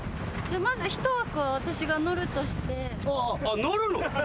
まず１枠は私が乗るとして。